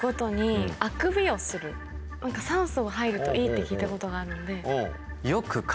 酸素が入るといいって聞いたことがあるんで。